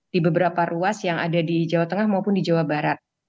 di beberapa ruas yang ada di jawa tengah maupun di jawa barat